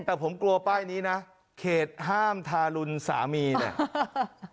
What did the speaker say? แต่ผมกลัวป้ายนี้นะเขตห้ามทารุณสามีเนี่ย